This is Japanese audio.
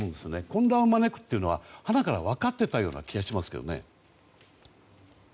混乱を招くというのは鼻から分かっていたような気がしますけどね。